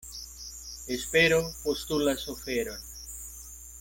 Espero postulas oferon.